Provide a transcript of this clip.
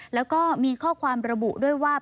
แล้วก็มีข้อความระบุด้วยว่า